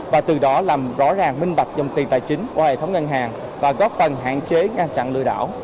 và từ đó làm rõ ràng minh bạch dòng tiền tài chính qua hệ thống ngân hàng và góp phần hạn chế ngăn chặn lừa đảo